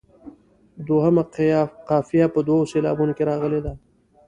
دوهمه قافیه په دوو سېلابونو کې راغلې ده.